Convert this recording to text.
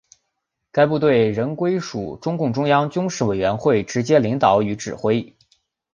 该部队仍归属中共中央军事委员会直接领导与指挥。